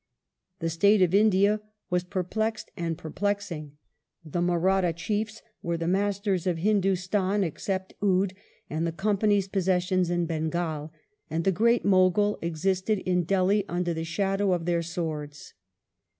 The state of India was perplexed and perplexing. The Mahratta chiefs were the masters of Hindustan, except Oude and the Company's possessions in Bengal, and the Great Moghul existed in Delhi under the shadow of their swords.